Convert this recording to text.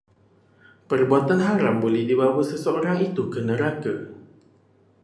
Perbuatan haram boleh membawa seseorang itu ke neraka